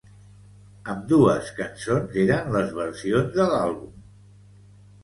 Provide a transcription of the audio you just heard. Ambdues cançons eren les versions de l'àlbum.